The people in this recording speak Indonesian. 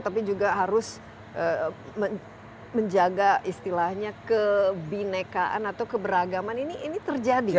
tapi juga harus menjaga istilahnya kebinekaan atau keberagaman ini terjadi